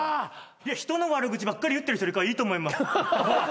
人の悪口ばっかり言ってる人よりかはいいと思います。